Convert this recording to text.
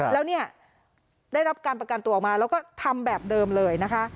แล้วเนี่ยได้รับการประกันตัวออกมาแล้วก็ทำแบบเดิมเลยนะคะ